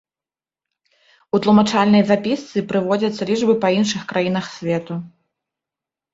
У тлумачальнай запісцы прыводзяцца лічбы па іншых краінах свету.